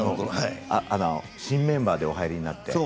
新メンバーでお入りになって。